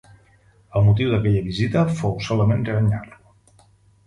El motiu d'aquella visita fou solament renyar-lo.